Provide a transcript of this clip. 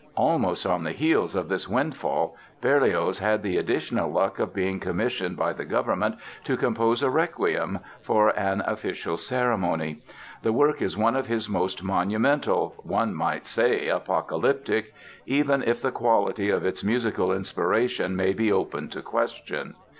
Almost on the heels of this windfall Berlioz had the additional luck of being commissioned by the government to compose a Requiem, for an official ceremony. The work is one of his most monumental—one might say apocalyptic—even if the quality of its musical inspiration may be open to question.